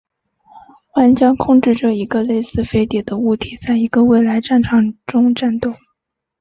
玩家控制着一个类似飞碟的物体在一个未来战场中战斗。